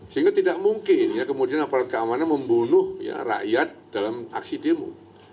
sehingga tidak mungkin ya kemudian aparat keamanan membunuh rakyat dalam aksi demo